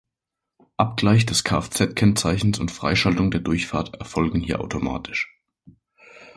Abgleich des Kfz-Kennzeichens und Freischaltung der Durchfahrt erfolgen hier automatisch.